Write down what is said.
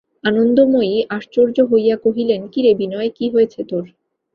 আনন্দময়ী আশ্চর্য হইয়া কহিলেন, কী রে বিনয়, কী হয়েছে তোর?